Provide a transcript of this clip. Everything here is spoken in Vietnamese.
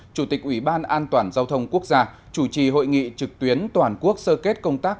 chủ tịch ủy ban an toàn giao thông quốc gia chủ trì hội nghị trực tuyến toàn quốc sơ kết công tác